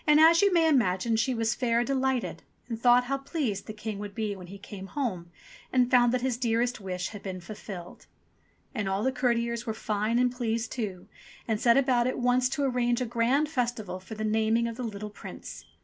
As you may imagine she was fair delighted, and thought how pleased the King would be when he came home and found that his dearest wish had been fulfilled. And all the courtiers were fine and pleased too, and set about at once to arrange a grand festival for the naming of the little Prince.